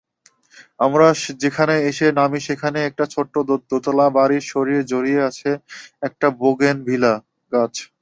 আমরা যেখানে এসে নামি সেখানে, একটা ছোট্ট দোতলা বাড়ির শরীর জড়িয়ে একটাবোগেনিভলিয়াগাছ।